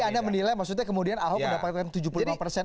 jadi anda menilai maksudnya kemudian ahok mendapatkan